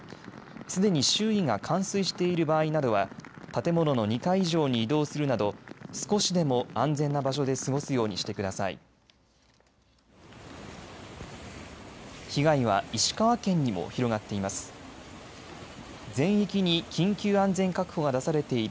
すでに周囲が冠水している場合などは建物の２階以上に移動するなど少しでも安全な場所で過ごすようにしてください。